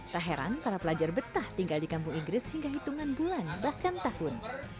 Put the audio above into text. tak heran para pelajar betah tinggal di kampung inggris hingga hitungan bulan bahkan tahun